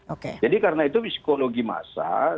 oke jadi karena itu psikologi massa